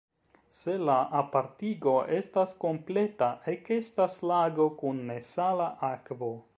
Se la apartigo estas kompleta, ekestas lago kun nesala akvo.